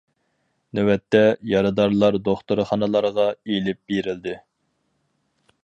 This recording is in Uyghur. نۆۋەتتە، يارىدارلار دوختۇرخانىلارغا ئېلىپ بېرىلدى.